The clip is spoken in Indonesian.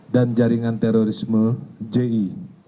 dan jaringan terorisme ji